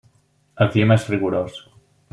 El clima és rigorós.